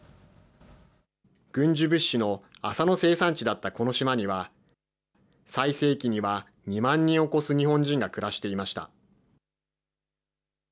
軍需物資の麻の生産地だったこの島には、最盛期には２万人を超す日本人が暮らしていました。